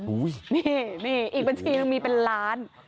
นี่อีกบัญชีนึงมีเป็นล้าน